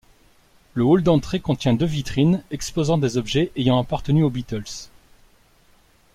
Le hall d'entrée contient deux vitrines exposant des objets ayant appartenu aux Beatles.